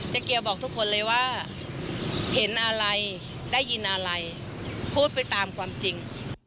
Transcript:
เกียวบอกทุกคนเลยว่าเห็นอะไรได้ยินอะไรพูดไปตามความจริง